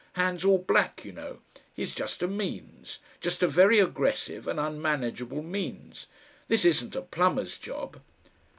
Hands all black, you know. He's just a means. Just a very aggressive and unmanageable means. This isn't a plumber's job...."